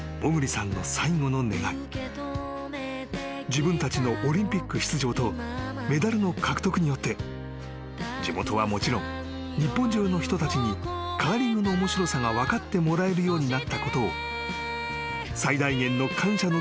［自分たちのオリンピック出場とメダルの獲得によって地元はもちろん日本中の人たちにカーリングの面白さが分かってもらえるようになったことを最大限の感謝の気持ちとともに伝えた］